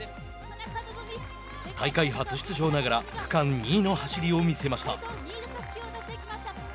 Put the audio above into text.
大会初出場ながら区間２位の走りを見せました。